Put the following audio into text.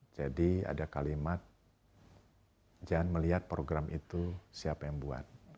jadi ada kalimat jangan melihat program itu siapa yang buat